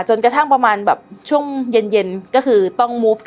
จนกระทั่งประมาณช่วงเย็น